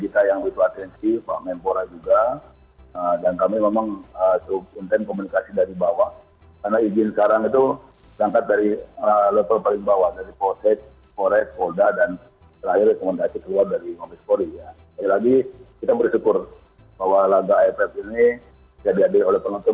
hanya lagi kita bersyukur bahwa laga aff ini dihadiri oleh penonton